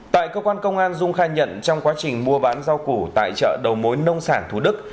tại cơ quan công an dung khai nhận trong quá trình mua bán rau củ tại chợ đầu mối nông sản thú đức